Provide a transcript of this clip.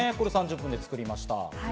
３０分で作りました。